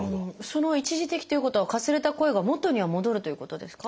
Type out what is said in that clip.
一時的ということはかすれた声が元には戻るということですか？